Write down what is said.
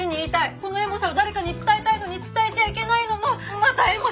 このエモさを誰かに伝えたいのに伝えちゃいけないのもまたエモし。